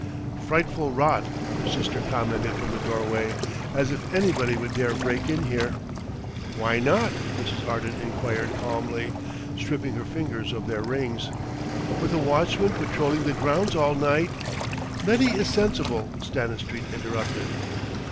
"Frightful rot," her sister commented from the doorway. "As if anybody would dare break in here." "Why not?" Mrs. Arden enquired calmly, stripping her fingers of their rings. "With a watchman patrolling the grounds all night " "Letty is sensible," Stanistreet interrupted.